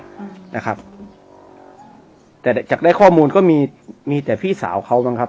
อืมนะครับแต่จากได้ข้อมูลก็มีมีแต่พี่สาวเขาบ้างครับ